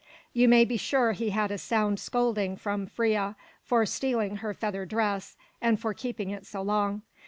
You may be sure he had a sound scolding from Freia for stealing her feather dress and for keeping it so long.